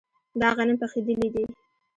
دا غنم پخیدلي دي.